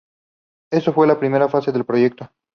Eso fue la primera fase del proyecto.